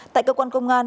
tại cơ quan công an